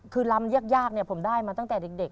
คือลำยากผมได้มาตั้งแต่เด็ก